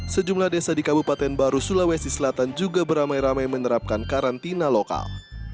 sejumlah desa di kabupaten baru sulawesi selatan juga beramai ramai menerapkan karantina lokal